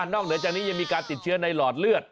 เหนือจากนี้ยังมีการติดเชื้อในหลอดเลือด